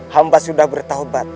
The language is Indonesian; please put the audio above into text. hamba sudah bertawabat